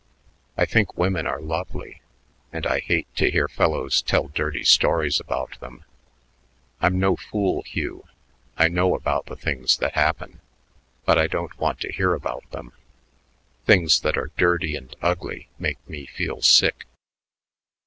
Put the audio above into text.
I think women are lovely, and I hate to hear fellows tell dirty stories about them. I'm no fool, Hugh; I know about the things that happen, but I don't want to hear about them. Things that are dirty and ugly make me feel sick."